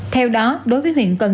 theo đó đối với huyện tân